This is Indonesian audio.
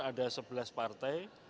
ada sebelas partai